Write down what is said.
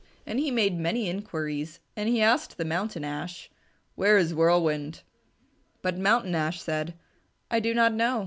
And he made many inquiries, and he asked the Mountain Ash, "Where is Whirlwind?" But Mountain Ash said, "I do not know.